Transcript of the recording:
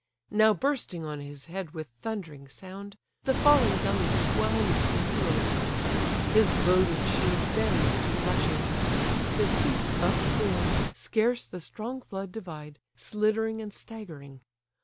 Now bursting on his head with thundering sound, The falling deluge whelms the hero round: His loaded shield bends to the rushing tide; His feet, upborne, scarce the strong flood divide, Sliddering, and staggering.